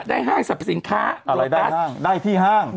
ได้ห้างสรรพสินค้าอะไรได้ห้างได้ที่ห้าง